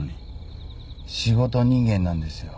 仕事人間なんですよ。